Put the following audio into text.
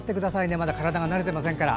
まだ体が慣れていませんから。